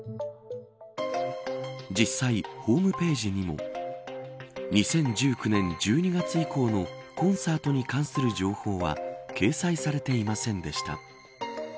実際、ホームページにも２０１９年１２月以降もコンサートに関する情報は掲載されていませんでした。